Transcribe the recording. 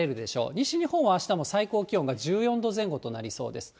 西日本はあしたも最高気温が１４度前後となりそうです。